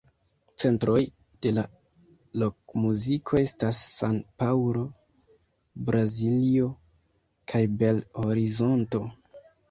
Centroj de la rokmuziko estas San-Paŭlo, Braziljo kaj Bel-Horizonto.